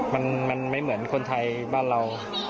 มันไม่เหมือนคนไทยบ้านเรา